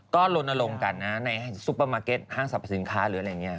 ก็ลนลงกันนะในซุปเปอร์มาร์เก็ตห้างสรรพสินค้าหรืออะไรอย่างนี้